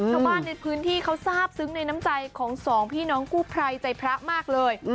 ชาวบ้านในพื้นที่เขาทราบซึ้งในน้ำใจของสองพี่น้องกู้ภัยใจพระมากเลย